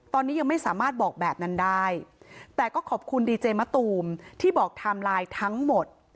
ตอนนี้ยังไม่สามารถบอกแบบนั้นได้แต่ก็ขอบคุณดีเจมะตูมที่บอกไทม์ไลน์ทั้งหมด